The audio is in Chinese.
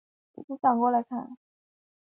出口为横琴北。